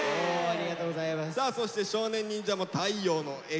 さあそして少年忍者も「太陽の笑顔」